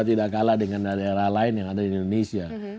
tidak kalah dengan daerah lain yang ada di indonesia